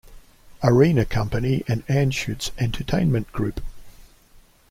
Arena Company and Anschutz Entertainment Group.